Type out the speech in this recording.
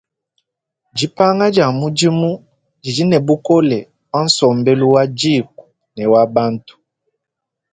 Dipanga dia mudimu didi ne bukole pa nsombelu wa dîku ne wa bantu.